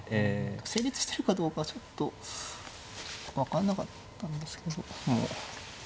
成立してるかどうかはちょっと分かんなかったんですけど。